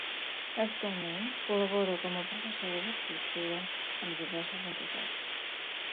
Actualment col·labora com a professora d'escriptura amb diverses entitats.